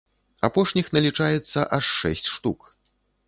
Апошніх налічаецца аж шэсць штук.